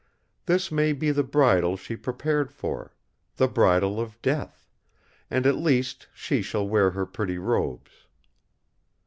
This may be the Bridal she prepared for—the Bridal of Death; and at least she shall wear her pretty robes."